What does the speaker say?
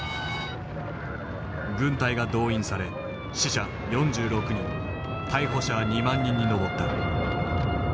軍隊が動員され死者４６人逮捕者は２万人に上った。